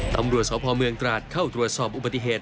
ตำรวจสพเมืองตราดเข้าตรวจสอบอุบัติเหตุ